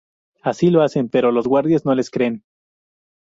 Así lo hacen, pero los guardias no les creen.